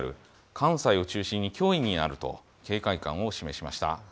関西を中心に脅威になると警戒感を示しました。